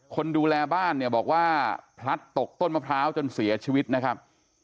คนดูแลบ้านเนี่ยบอกว่าพลัดตกต้นมะพร้าวจนเสียชีวิตนะครับ